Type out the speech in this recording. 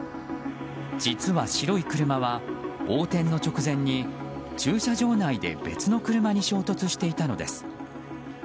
実は白い車は横転の直前に駐車場内で別の車に衝突していたのです。